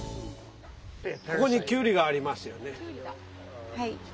ここにきゅうりがありますよね。